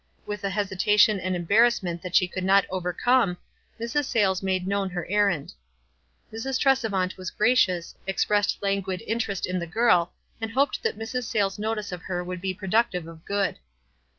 With a hes itation and embarrassment that she could not overcome, Mrs. Sayles made known her errand. Mrs. Tresevant was gracious, expressed languid interest in the girl, and hoped that Mrs. Sayles' notice of her would be productive of good.